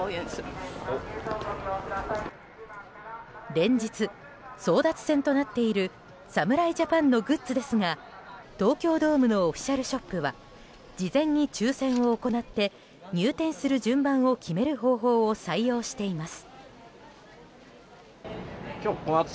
連日争奪戦となっている侍ジャパンのグッズですが東京ドームのオフィシャルショップは事前に抽選を行って入店する順番を決める方法を採用しています。